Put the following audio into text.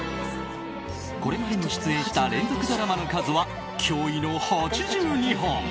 これまでに出演した連続ドラマの数は驚異の８２本。